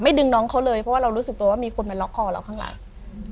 ดึงน้องเขาเลยเพราะว่าเรารู้สึกตัวว่ามีคนมาล็อกคอเราข้างหลัง